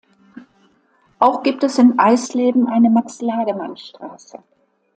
Auch gibt es in Eisleben eine Max-Lademann-Straße.